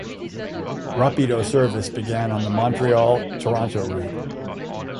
"Rapido" service began on the Montreal-Toronto route.